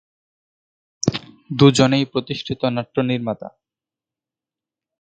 দুজনেই প্রতিষ্ঠিত নাট্য নির্মাতা।